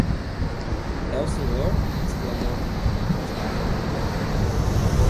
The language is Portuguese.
É o senhor? exclamou Rita, estendendo-lhe a mão.